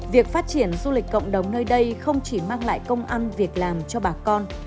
việc phát triển du lịch cộng đồng nơi đây không chỉ mang lại công ăn việc làm cho bà con